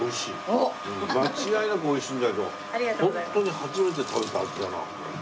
間違いなく美味しいんだけどホントに初めて食べた味だな。